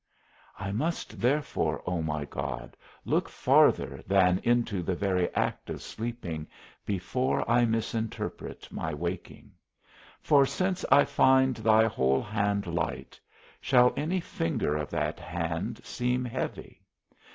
_ I must therefore, O my God, look farther than into the very act of sleeping before I misinterpret my waking; for since I find thy whole hand light, shall any finger of that hand seem heavy?